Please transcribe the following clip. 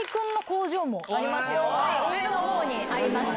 上の方にあります。